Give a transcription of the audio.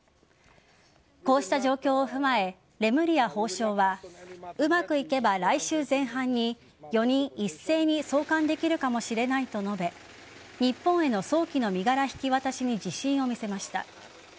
こうした状況を踏まえレムリヤ法相はうまくいけば来週前半に４人一斉に送還できるかもしれないと述べ日本への早期の身柄引き渡しに自信を見せました。